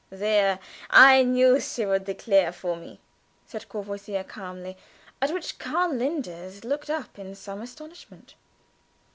"There! I knew she would declare for me," said Courvoisier, calmly, at which Karl Linders looked up in some astonishment.